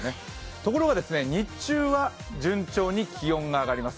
ところが日中は順調に気温が上がります。